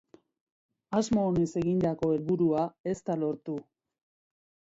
Asmo onez egindako helburua ez da lortu.